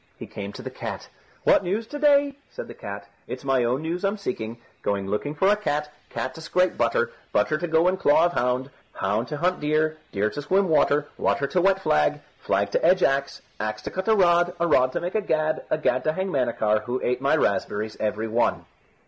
He came to the cat. "What news to day?" said the cat. "It's my own news I'm seeking. Going looking for a cat, cat to scrape butter, butter to go in claw of hound, hound to hunt deer, deer to swim water, water to wet flag, flag to edge axe, axe to cut a rod, a rod to make a gad, gad to hang Manachar, who ate my raspberries every one."